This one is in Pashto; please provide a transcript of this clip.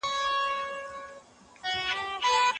تاسي باید په ژوند کي صبر ولرئ.